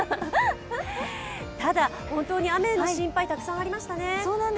ただ、本当に雨の心配たくさんありましたね。